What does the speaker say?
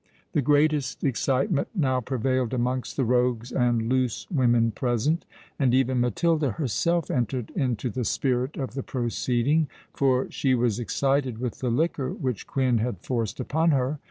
The greatest excitement now prevailed amongst the rogues and loose women present: and even Matilda herself entered into the spirit of the proceeding—for she was excited with the liquor which Quin had forced upon her.